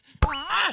あっ！